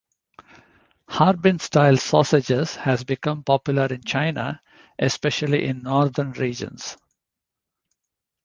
Harbin-style sausage has become popular in China, especially in northern regions.